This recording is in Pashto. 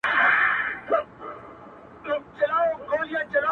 خو بيا هم له دې پرېکړې هېڅ پښېماني نه احساسوم او خوشحاله يم -